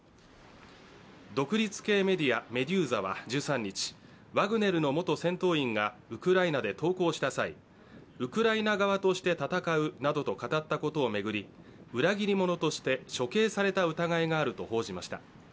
独立系メディア・メドゥーザは１３日、ワグネルの元戦闘員がウクライナで投降した際、ウクライナ側として戦うなどと語ったことを巡り裏切り者として処刑された疑いがあると報じました。